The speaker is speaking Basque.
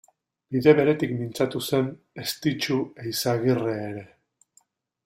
Bide beretik mintzatu zen Estitxu Eizagirre ere.